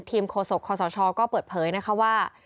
ทีมโคศกคศชก็เปิดเผยว่า